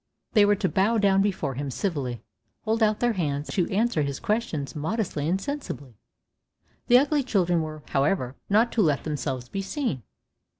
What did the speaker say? They were to bow down before him civilly, hold out their hands, and to answer his questions modestly and sensibly. The ugly children were, however, not to let themselves be seen.